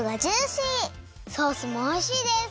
ソースもおいしいです！